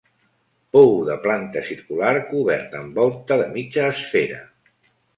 Pou de planta circular cobert amb volta de mitja esfera.